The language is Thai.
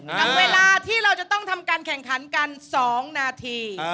กับเวลาที่เราจะต้องทำการแข่งขันกัน๒นาที